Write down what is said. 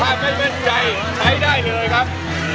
ความไม่มีไ้ใจใช้ได้เลยครับ